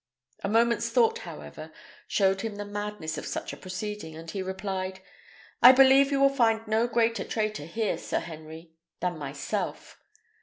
A moment's thought, however, showed him the madness of such a proceeding, and he replied, "I believe you will find no greater traitor here, Sir Henry, than myself."